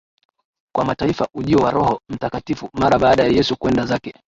kwa Mataifa Ujio wa Roho Mtakatifu Mara baada ya Yesu kwenda zake